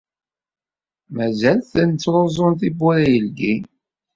Mazal-ten ttruẓen tiwwura yeldin.